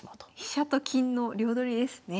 飛車と金の両取りですね。